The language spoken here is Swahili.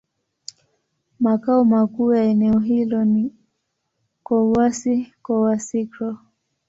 Makao makuu ya eneo hilo ni Kouassi-Kouassikro.